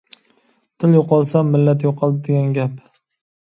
تىل يوقالسا مىللەت يوقالدى دېگەن گەپ.